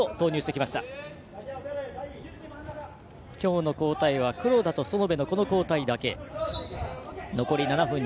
今日の交代は黒田と園部の交代だけ。